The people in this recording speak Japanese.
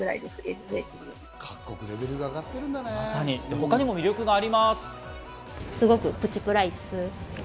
他にも魅力があります。